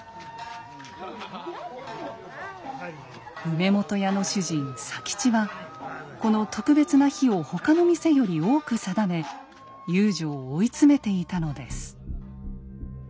梅本屋の主人佐吉はこの特別な日を他の店より多く定め遊女を追い詰めていたのです。